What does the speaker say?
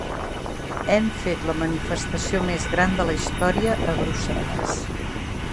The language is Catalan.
Hem fet la manifestació més gran de la història a Brussel·les.